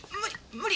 無理！